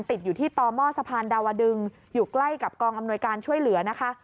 ติดอยู่ที่ต่อหม้อสะพานดาวดึงอยู่ใกล้กับกองอำนวยการช่วยเหลือนะคะ